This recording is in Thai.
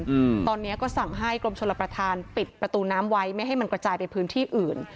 อืมตอนเนี้ยก็สั่งให้กรมชลประธานปิดประตูน้ำไว้ไม่ให้มันกระจายไปพื้นที่อื่น